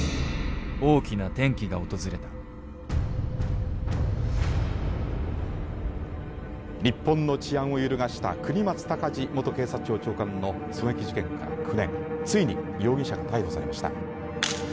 大きな転機が訪れた日本の治安を揺るがした國松孝次元警察庁長官の狙撃事件から９年ついに容疑者が逮捕されました。